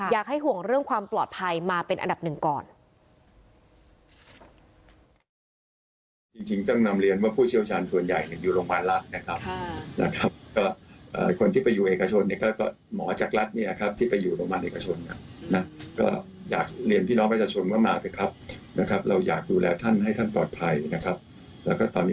และเรื่องความปลอดภัยมาเป็นอันดับหนึ่งก่อน